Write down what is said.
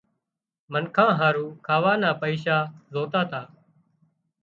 منکان هارُو کاوا نا پئيشا زوتا تا